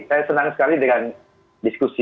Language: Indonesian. saya senang sekali dengan diskusi